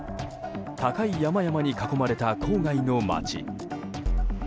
高い山々に囲まれた郊外の街。